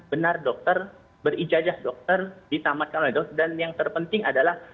benar dokter berijajah dokter ditamatkan oleh dokter dan yang terpenting adalah